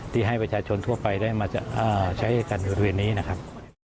ที่ให้ประชาชนทั่วไปได้มาใช้กันบริเวณนี้นะครับ